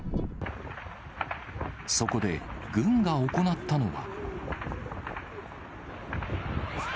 そこで軍が行ったのは。